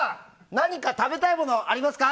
何か食べたいものありますか？